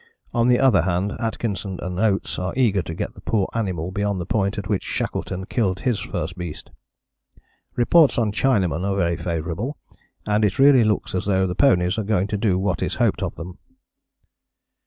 On the other hand, Atkinson and Oates are eager to get the poor animal beyond the point at which Shackleton killed his first beast. Reports on Chinaman are very favourable, and it really looks as though the ponies are going to do what is hoped of them."